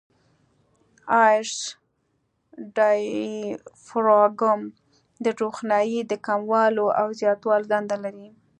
آیرس ډایفراګم د روښنایي د کمولو او زیاتولو دنده لري.